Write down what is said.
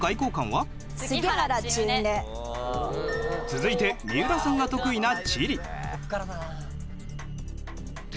続いて三浦さんが得意な地理。